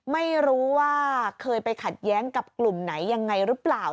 ไม่รู้ว่าเคยไปขัดแย้งกับกลุ่มไหนยังไงหรือเปล่า